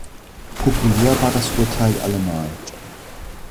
Populär war das Urteil allemal.